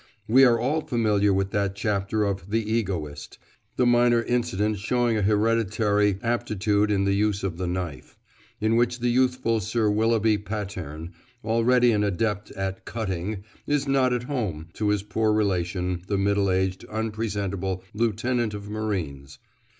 We are all familiar with that chapter of "The Egoist" (the "Minor Incident showing an Hereditary Aptitude in the Use of the Knife"), in which the youthful Sir Willoughby Patterne, already an adept at "cutting," is "not at home" to his poor relation, the middle aged unpresentable lieutenant of marines.